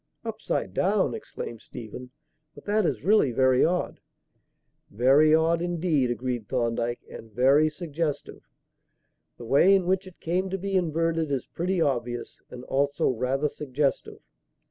"Upside down!" exclaimed Stephen. "But that is really very odd." "Very odd indeed," agreed Thorndyke, "and very suggestive. The way in which it came to be inverted is pretty obvious and also rather suggestive.